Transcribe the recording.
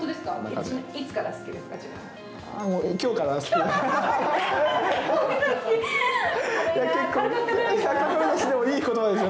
いつから好きですか？